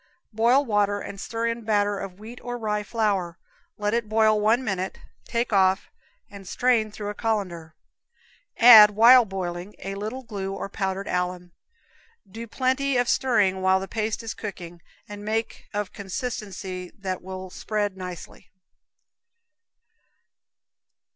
Boil water and stir in batter of wheat or rye flour. Let it boil one minute, take off and strain through a colander. Add, while boiling, a little glue or powdered alum. Do plenty of stirring while the paste is cooking, and make of consistency that will spread nicely.